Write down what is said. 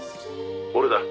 「俺だ。